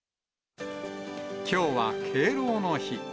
きょうは敬老の日。